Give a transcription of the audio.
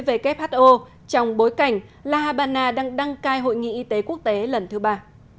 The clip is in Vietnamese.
tổ chức y tế thế giới who trong bối cảnh la habana đang đăng cai hội nghị y tế quốc tế lần thứ ba